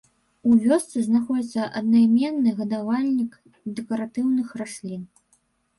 У вёсцы знаходзіцца аднайменны гадавальнік дэкаратыўных раслін.